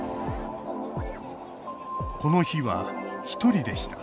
この日は１人でした